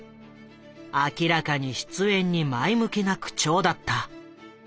明らかに出演に前向きな口調だった。